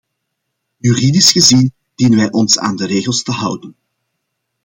Juridisch gezien dienen wij ons aan de regels te houden.